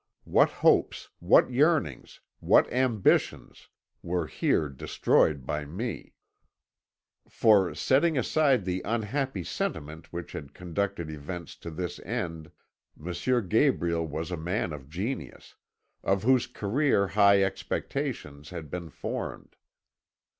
"What hopes, what yearnings, what ambitions, were here destroyed by me! For, setting aside the unhappy sentiment which had conducted events to this end, M. Gabriel was a man of genius, of whose career high expectations had been formed.